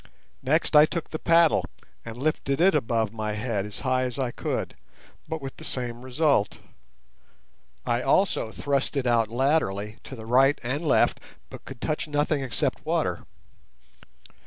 Next I took the paddle and lifted it above my head as high as I could, but with the same result. I also thrust it out laterally to the right and left, but could touch nothing except water.